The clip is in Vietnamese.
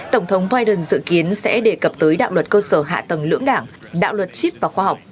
tổng thống biden dự kiến sẽ đề cập tới đạo luật cơ sở hạ tầng lưỡng đảng đạo luật chip và khoa học